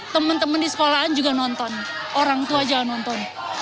teman teman di sekolahan juga nonton orang tua jangan nonton